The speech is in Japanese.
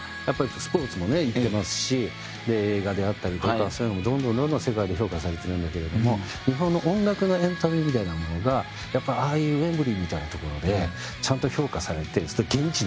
スポーツもねいってますし映画であったりとかそういうのもどんどんどんどん世界で評価されてるんだけれども日本の音楽のエンタメみたいなものがやっぱああいうウェンブリーみたいな所でちゃんと評価されて。